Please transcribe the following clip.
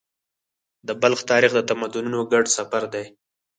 د بلخ تاریخ د تمدنونو ګډ سفر دی.